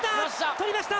とりました！